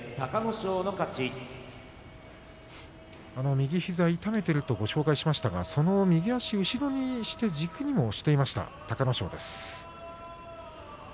右足を痛めているとお話をしましたがその右足を軸にして押していきました、隆の勝です。